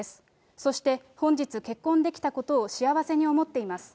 そして、本日、結婚できたことを幸せに思っています。